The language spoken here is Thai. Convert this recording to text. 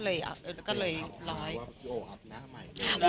เรียกความน้อยว่าโอ๊ะครับหน้าใหม่